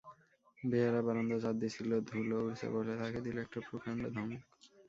বেহারা বারান্দা ঝাড় দিচ্ছিল, ধুলো উড়ছে বলে তাকে দিল একটা প্রকাণ্ড ধমক।